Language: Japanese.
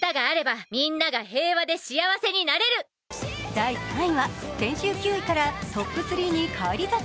第３位は先週９位からトップ３に返り咲き。